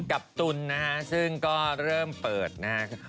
กับตุลนะฮะซึ่งก็เริ่มเปิดนะครับ